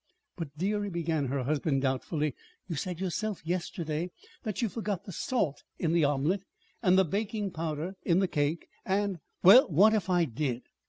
"But, dearie," began her husband doubtfully, "you said yourself yesterday that you forgot the salt in the omelet, and the baking powder in the cake, and " "Well, what if I did?"